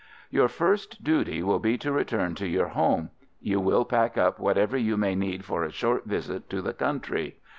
"Your first duty will be to return to your home. You will pack up whatever you may need for a short visit to the country.